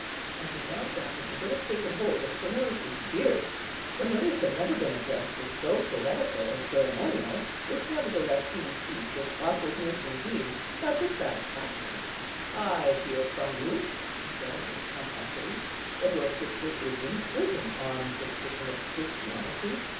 and he knelt down, and would have taken hold of Cornelius's beard. Cornelius had never been addressed with so poetical a ceremonial, which nevertheless he received with awkwardness indeed, but with satisfaction. "I hear from you," he said with pomposity, "that your sister is in prison on suspicion of Christianity.